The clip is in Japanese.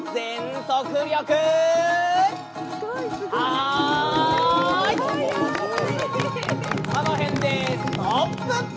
この辺でストップ！